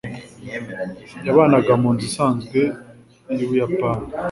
Yabanaga munzu isanzwe yubuyapani.